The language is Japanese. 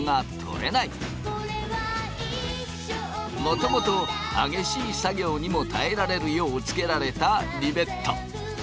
もともと激しい作業にも耐えられるようつけられたリベット。